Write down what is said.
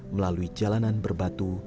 melalui jalanan berbatu